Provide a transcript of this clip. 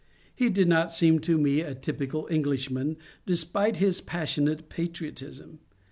He did not seem to me a typical Englishman, despite his passionate patriotism.